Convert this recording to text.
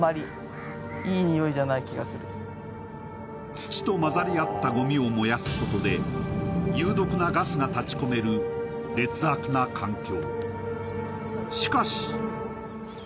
土と混ざり合ったごみを燃やすことで有毒なガスが立ちこめる劣悪な環境。